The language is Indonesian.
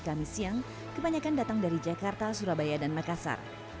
kami siang kebanyakan datang dari jakarta surabaya dan makassar